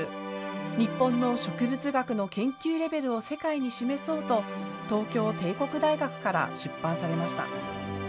日本の植物学の研究レベルを世界に示そうと、東京帝国大学から出版されました。